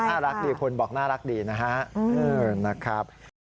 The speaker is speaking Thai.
น่ารักดีคุณบอกน่ารักดีนะครับ